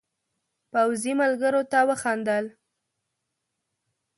پوځي ملګرو ته وخندل.